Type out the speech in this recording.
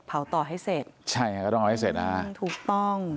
ต่อให้เสร็จใช่ค่ะก็ต้องเอาให้เสร็จนะฮะถูกต้อง